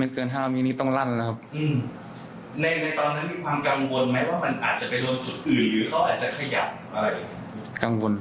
กังวลครับผม